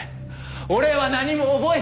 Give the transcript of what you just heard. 俺は何も覚えてない！